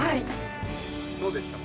どうでしたか？